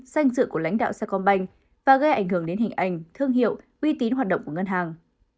xanh sự của lãnh đạo sa công banh và gây ảnh hưởng đến hình ảnh thương hiệu uy tín hoạt động của ngân hàng